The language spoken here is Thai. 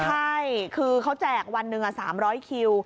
ใช่คือเขาแจกวันหนึ่ง๓๐๐คิว